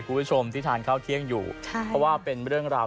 คุณผู้ชมที่ทานข้าวเที่ยงอยู่ใช่เพราะว่าเป็นเรื่องราว